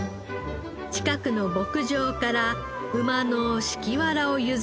近くの牧場から馬の敷きわらを譲り受け。